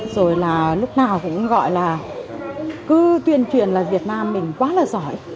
rồi là lúc nào cũng gọi là cứ tuyên truyền là việt nam mình quá là giỏi